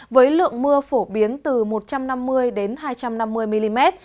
với lượng mưa phổ biến từ một trăm năm mươi đến hai trăm năm mươi mm